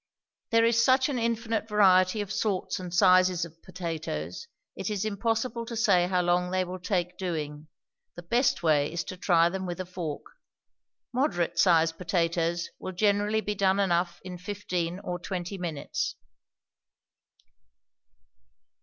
There is such an infinite variety of sorts and sizes of potatoes, it is impossible to say how long they will take doing: the best way is to try them with a fork. Moderate sized potatoes will generally be done enough in fifteen or twenty minutes.